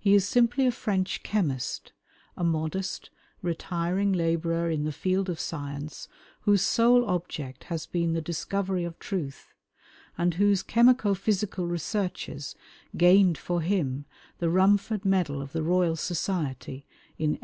He is simply a French chemist, a modest, retiring labourer in the field of science whose sole object has been the discovery of truth, and whose chemico physical researches gained for him the Rumford Medal of the Royal Society in 1856.